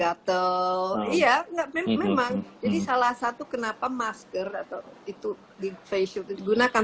gatal iya memang jadi salah satu kenapa masker atau itu di facial itu digunakan